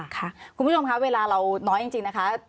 คุณผู้ชมค่ะเวลาเราน้อยจริงนะคะ